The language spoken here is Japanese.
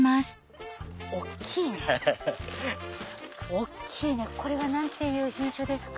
大っきいねこれは何ていう品種ですか？